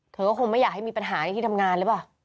เธอก็คงไม่อยากให้มีปัญหาในที่ทำงานหรือเปล่า